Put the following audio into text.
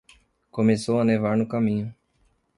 Começou a nevar no caminho.